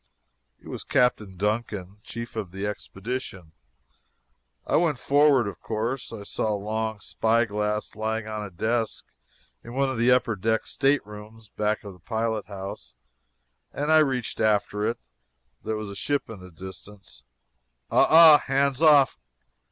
It was Captain Duncan, chief of the expedition. I went forward, of course. I saw a long spyglass lying on a desk in one of the upper deck state rooms back of the pilot house and reached after it there was a ship in the distance. "Ah, ah hands off!